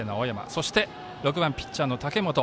そして６番ピッチャーの武元。